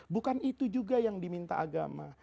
bukan itu juga yang diminta agama